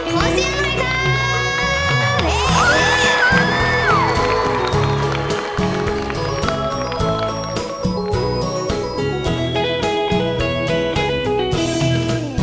ขอเสียงหน่อยครับ